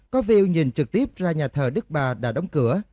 có view nhìn trực tiếp ra nhà thờ đức bà đã đóng cửa